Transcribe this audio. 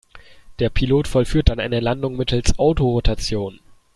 Der Pilot vollführt dann eine Landung mittels Autorotation.